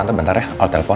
tante bentar ya al telpon